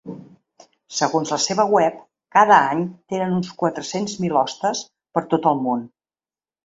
Segons la seva web cada any tenen uns quatre-cents mil hostes per tot el món.